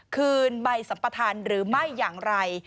คืนใบสัมปทานหรือไม่อย่างไร